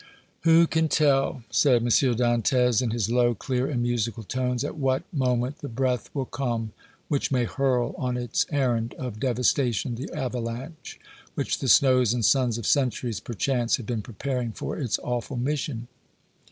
"Who can tell," said M. Dantès, in his low, clear and musical tones, "at what moment the breath will come which may hurl on its errand of devastation the avalanche which the snows and suns of centuries, perchance, have been preparing for its awful mission?